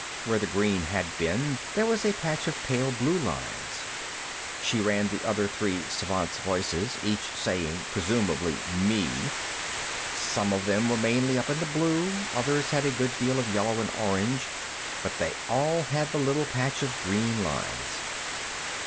Where the green had been, there was a patch of pale blue lines. She ran the other three Svants' voices, each saying, presumably, "Me." Some were mainly up in blue, others had a good deal of yellow and orange, but they all had the little patch of green lines.